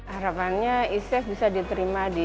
harapannya isf bisa diterima di